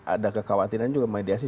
ada kekhawatiran juga mediasi